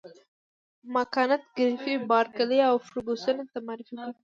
ما کانت ګریفي بارکلي او فرګوسن ته معرفي کړ.